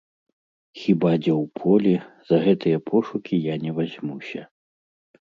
Хіба дзе ў полі, за гэтыя пошукі я не вазьмуся.